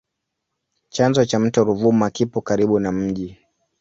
Chanzo cha mto Ruvuma kipo karibu na mji.